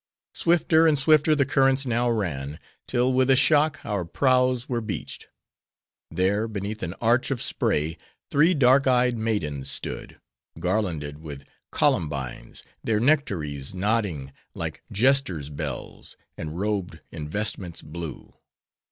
Swifter and swifter the currents now ran; till with a shock, our prows were beached. There, beneath an arch of spray, three dark eyed maidens stood; garlanded with columbines, their nectaries nodding like jesters' bells; and robed in vestments blue.